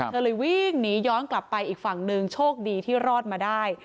เธอเลยวิ่งหนีย้อนกลับไปอีกฝั่งหนึ่งโชคดีที่รอดมาได้